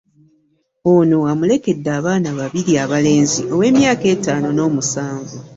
Ono amulekedde abaana babiri abalenzi, ow’emyaka etaano n’omusanvu